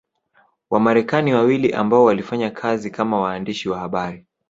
Wamarekani wawili ambao walifanya kazi kama waandishi wa habari